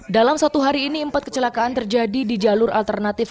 dalam satu hari ini empat kecelakaan terjadi di jalur alternatif